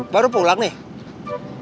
baru pulang nih